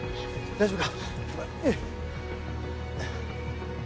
大丈夫か？